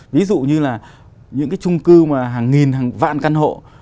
ví dụ như là những cái trung cư mà hàng nghìn hàng vạn căn hộ